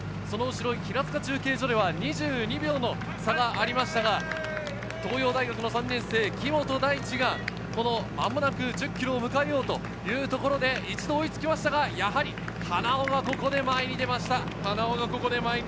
その後ろ、平塚中継所では２２秒の差がありましたが、東洋大学３年生・木本大地が間もなく１０ｋｍを迎えようというところで一度追いつきましたがやはり花尾がここで前に出ました。